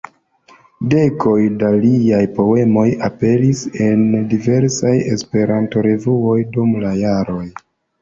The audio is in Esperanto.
Dekoj da liaj poemoj aperis en diversaj Esperanto-revuoj dum la jaroj.